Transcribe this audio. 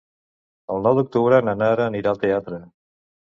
El nou d'octubre na Nara anirà al teatre.